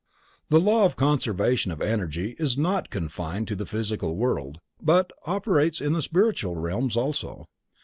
The law of conservation of energy is not confined to the Physical World, but operates in the spiritual realms also.